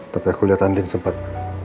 tapi aku lihat andi sempat